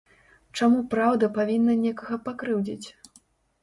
Чаму праўда павінна некага пакрыўдзіць?